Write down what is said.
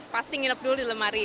pasti nginep dulu di lemari